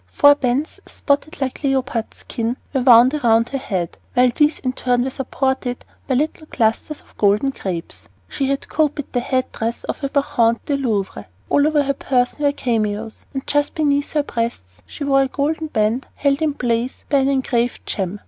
Four bands, spotted like a leopard's skin, were wound about her head, while these in turn were supported by little clusters of golden grapes. She had copied the head dress of a Bacchante in the Louvre. All over her person were cameos, and just beneath her breasts she wore a golden band held in place by an engraved gem.